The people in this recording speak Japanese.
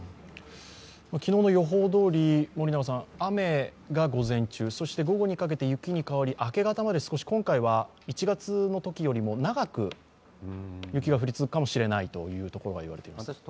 昨日の予報どおり、雨が午前中、そして午後にかけて雪に変わり明け方まで、今回は１月のときよりも長く雪が降り続くかもしれないと言われています。